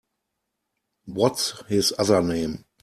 What’s his other name?